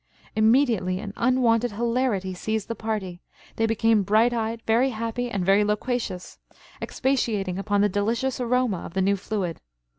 Immediately an unwonted hilarity seized the party they became bright eyed, very happy, and very loquacious expatiating upon the delicious aroma of the new fluid.